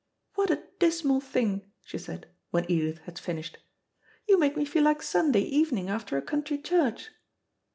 "What a dismal thing," she said, when Edith had finished. "You make me feel like Sunday evening after a country church."